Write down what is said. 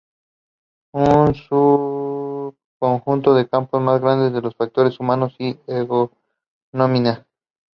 Ireland have not yet achieved victory by this margin.